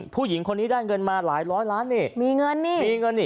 ผู้หญิงคนนี้ได้เงินมาหลายร้อยล้านนี่มีเงินนี่มีเงินนี่